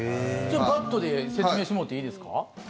バットで説明してもらっていいですか。